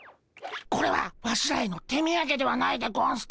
これはワシらへの手みやげではないでゴンスか？